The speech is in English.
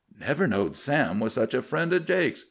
"Never knowed Sam was such a friend o' Jake's!"